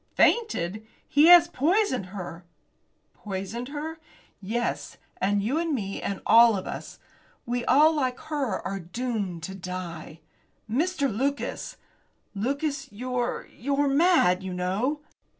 "Fainted! He has poisoned her!" "Poisoned her!" "Yes, and you and me and all of us! We all, like her, are doomed to die." "Mr. Lucas!" "Lucas, you're you're mad, you know."